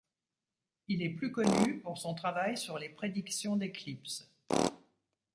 Il est plus connu pour son travail sur les prédictions d'éclipses.